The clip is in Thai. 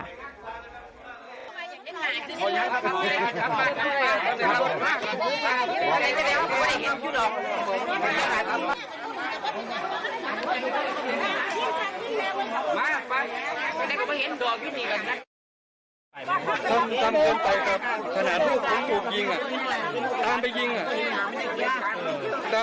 ไม่ได้คุยกับตำรวจยังไม่ได้คุยกับผมคิดมาคิดมาวันนี้อยากมาดูหน้า